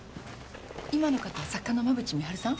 今の方作家の馬渕美晴さん？